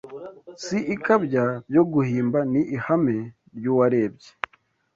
Si ikabya ryo guhimba Ni ihame ry’uwarebye